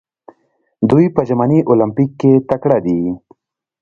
دوی په ژمني المپیک کې تکړه دي.